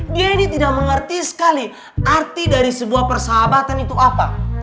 dia ini tidak mengerti sekali arti dari sebuah persahabatan itu apa